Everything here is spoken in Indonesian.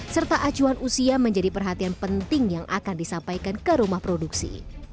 serta acuan usia menjadi perhatian penting yang akan disampaikan ke rumah produksi